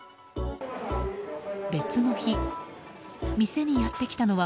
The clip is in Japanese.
別の日、店にやってきたのは